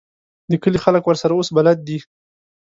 د کلي خلک ورسره اوس بلد دي.